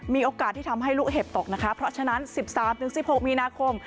มีโอกาสที่ทำให้ลูกเห็บตกนะคะเพราะฉะนั้น๑๓๑๖มีนาคม